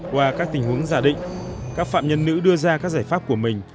qua các tình huống giả định các phạm nhân nữ đưa ra các giải pháp của mình